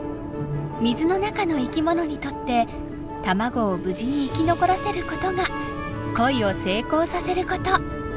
水の中の生きものにとって卵を無事に生き残らせることが恋を成功させること。